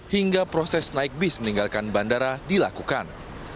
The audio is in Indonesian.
hingga proses naik bis meninggalkan bandara dilakukan